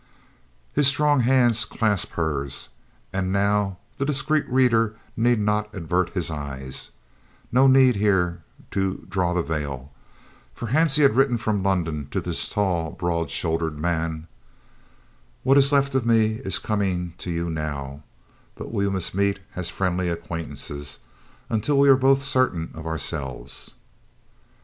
His strong hand clasps hers; and now the discreet reader need not avert his eyes no need here to "draw the veil" for Hansie had written from London to this tall, broad shouldered man: "What is left of me is coming to you now, but we must meet as friendly acquaintances, until we are both certain of ourselves."